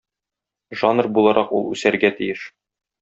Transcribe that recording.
Жанр буларак ул үсәргә тиеш.